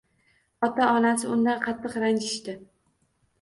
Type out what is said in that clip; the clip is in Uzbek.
Ota-onasi undan qattiq ranjishdi